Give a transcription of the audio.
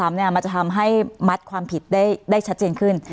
มันจะทำให้มัดความผิดได้ชัดเจนขึ้น